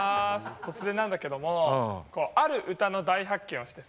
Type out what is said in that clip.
突然なんだけどもある歌の大発見をしてさ。